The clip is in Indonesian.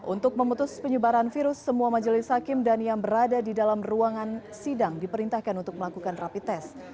untuk memutus penyebaran virus semua majelis hakim dan yang berada di dalam ruangan sidang diperintahkan untuk melakukan rapi tes